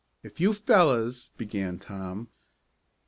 "If you fellows " began Tom.